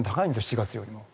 ７月よりも。